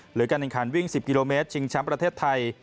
หรือการแข่งขันวิ่ง๑๐กิโลเมตรชิงแชมป์ประเทศไทย